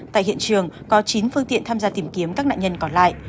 tại hiện trường có chín phương tiện tham gia tìm kiếm các nạn nhân còn lại